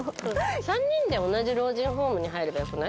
３人で同じ老人ホームに入ればよくない？